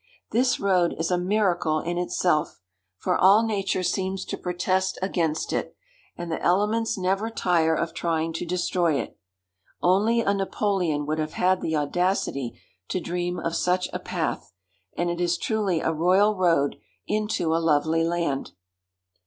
This road is a miracle in itself, for all nature seems to protest against it, and the elements never tire of trying to destroy it. Only a Napoleon would have had the audacity to dream of such a path, and it is truly a royal road into a lovely land.